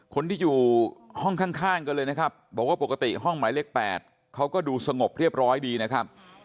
คนที่อยู่ห้องข้างกันเลยนะครับบอกว่าปกติห้องหมายเลข๘เขาก็ดูสงบเรียบร้อยดีนะครับ